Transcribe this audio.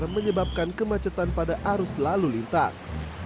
menyebabkan kemacetan pada arus lalu lintas